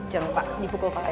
jangan lupa dipukul kepalanya